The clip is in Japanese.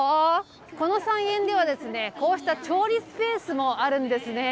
この菜園では、こうした調理スペースもあるんですね。